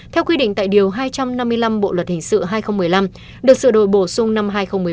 theo quy định tại điều hai trăm năm mươi năm bộ luật hình sự hai nghìn một mươi năm được sửa đổi bổ sung năm hai nghìn một mươi bảy